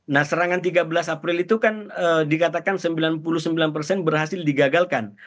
nah serangan tiga belas april itu kan dikatakan sembilan puluh sembilan persen berhasil digagalkan